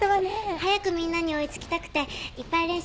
早くみんなに追いつきたくていっぱい練習してきたから。